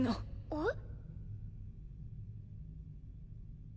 えっ？